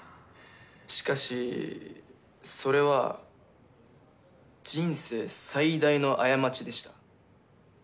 しかしそれは人生最大の過ちでした。